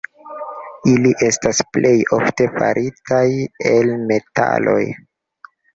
Ili estas plej ofte faritaj el metalo.